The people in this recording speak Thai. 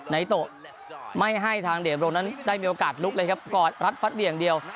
ในโตะไม่ให้ทางเดมโรงนั้นได้มีโอกาสลุกเลยครับกอดรัดฟัดเหวี่ยงเดียว